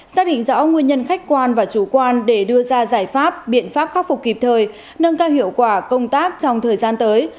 xác định rõ nguyên nhân khách quan và chủ quan để đưa ra giải pháp biện pháp khắc phục kịp thời nâng cao hiệu quả công tác trong thời gian tới